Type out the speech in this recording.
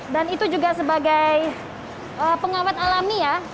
dan itu juga sebagai pengawet alami ya